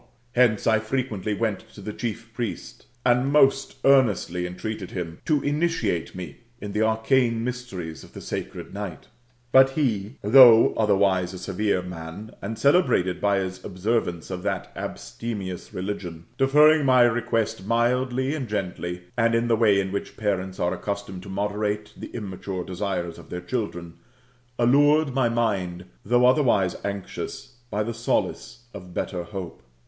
Hence I frequently went to the chief priest, and piost earnestly entreated him to initiate me in the arcane mysteries of the sacred night!^® But he, though otherwise a severe mah, and celebrated by his observance of that al)stemious religion, deferring my request mildly and gently, and in the way in which parents are accustomed to moderate the immature desires of their children, allured n!iy mind, though otherwise anxious, by the solace of better hope.